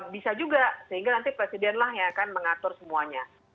bisa juga sehingga nanti presidenlah yang akan mengatur semuanya